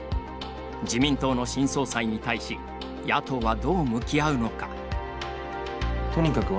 自民党の新総裁に対し野党はどう向き合うのか。